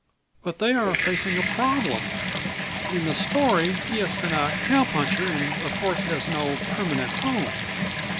But they are facing a problem. In the story he has been a cowpuncher and of course has no permanent home.